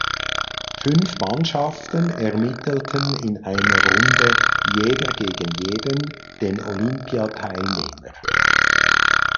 Fünf Mannschaften ermittelten in einer Runde jeder gegen jeden den Olympiateilnehmer.